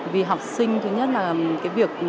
vì học sinh thứ nhất là cái việc